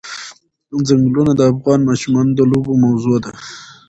ځنګلونه د افغان ماشومانو د لوبو موضوع ده.